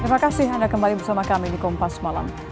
terima kasih anda kembali bersama kami di kompas malam